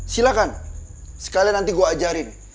silahkan sekalian nanti gue ajarin